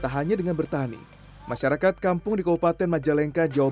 kualitas tanah raja minyak